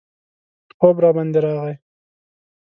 خوب راباندې راغی.